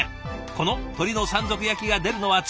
この鶏の山賊焼きが出るのは月２回。